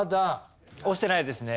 押してないですね。